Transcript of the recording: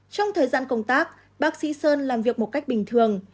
trong thời gian công tác bác sĩ sơn làm việc một cách bình thường